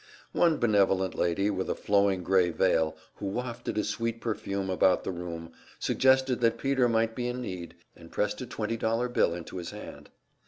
One benevolent lady with a flowing gray veil, who wafted a sweet perfume about the room, suggested that Peter might be in need, and pressed a twenty dollar bill into his hand.